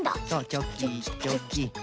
チョキチョキ。